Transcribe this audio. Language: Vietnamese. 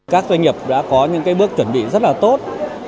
các doanh nghiệp đã có những bước chuẩn bị rất là tốt